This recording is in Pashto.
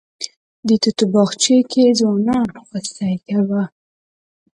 د توتو باغچې کې ځوانانو خوسی کوه.